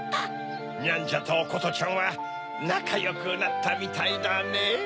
ニャンジャとおことちゃんはなかよくなったみたいだねぇ。